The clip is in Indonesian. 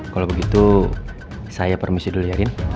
kalau begitu saya permisi dulu ya rin